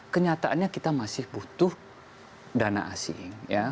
kenyataannya kita masih butuh dana asing